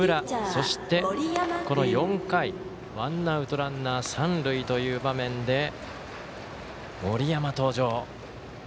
そして、この４回、ワンアウトランナー、三塁という場面で森山、登場。